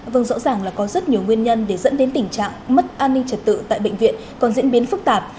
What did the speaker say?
vâng rõ ràng là có rất nhiều nguyên nhân để dẫn đến tình trạng mất an ninh trật tự tại bệnh viện còn diễn biến phức tạp